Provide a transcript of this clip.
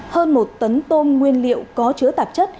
hơn một tấn tôm nguyên liệu có chứa tạp chất